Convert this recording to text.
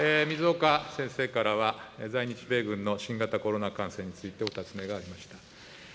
水岡先生からは、在日米軍の新型コロナ感染についてお尋ねがありました。